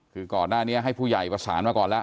คือก่อนหน้านี้ให้ผู้ใหญ่ประสานมาก่อนแล้ว